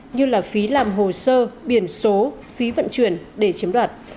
như là phí làm hồ sơ biển số phí vận chuyển để chiếm đoạt